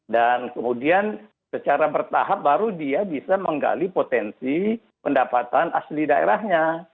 dan kemudian secara bertahap baru dia bisa menggali potensi pendapatan asli daerahnya